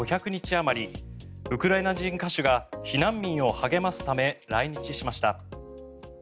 あまりウクライナ人歌手が避難民を励ますため来日しました。